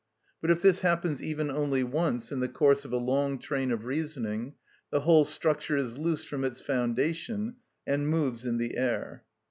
But if this happens even only once in the course of a long train of reasoning, the whole structure is loosed from its foundation and moves in the air.